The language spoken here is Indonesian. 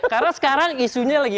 karena sekarang isunya lagi hangat